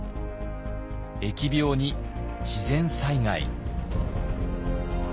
疫病に自然災害。